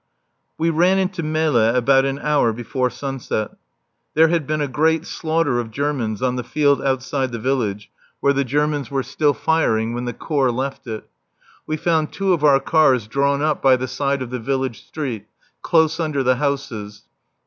We ran into Melle about an hour before sunset. There had been a great slaughter of Germans on the field outside the village where the Germans were still firing when the Corps left it. We found two of our cars drawn up by the side of the village street, close under the houses.